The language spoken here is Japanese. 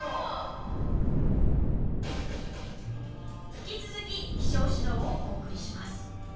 引き続き「希少誌道」をお送りします。